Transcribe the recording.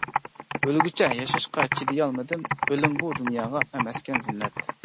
ئۆلگۈچە ياشاشقا چىدىيالمىدىم، ئۆلۈم بۇ دۇنياغا ئەمەسكەن زىننەت.